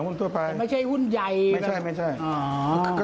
ในตลาดนั่นแหละ